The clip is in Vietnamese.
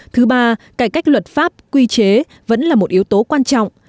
thứ ba cải cách luật pháp quy chế vẫn là một yếu tố quan trọng